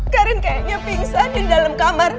karen kayaknya pingsan di dalam kamar